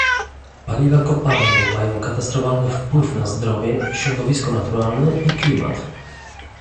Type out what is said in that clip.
Paliwa kopalne mają katastrofalny wpływ na zdrowie, środowisko naturalne i klimat